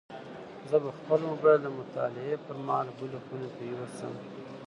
زه به خپل موبایل د مطالعې پر مهال بلې خونې ته یوسم.